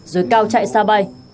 rồi cao chạy xa bay